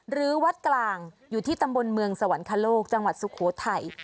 หรือวัดกลางอยู่ที่ตำบลเมืองสวรรคโลกจังหวัดสุโขทัย